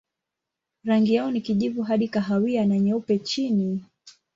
Rangi yao ni kijivu hadi kahawia na nyeupe chini.